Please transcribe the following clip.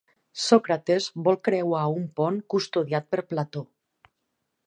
Sòcrates vol creuar un pont custodiat per Plató.